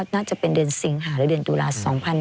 น่าจะเป็นเดือนสิงหาหรือเดือนตุลาส